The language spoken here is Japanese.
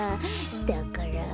だから。